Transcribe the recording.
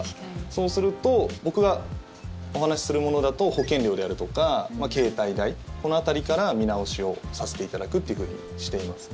そうすると僕がお話しするものだと保険料であるとか携帯代この辺りから、見直しをさせていただくっていうふうにしています。